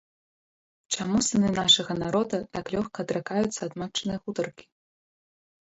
Чаму сыны нашага народа так лёгка адракаюцца ад матчынай гутаркі?